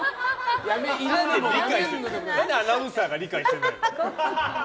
何でアナウンサーが理解してないの。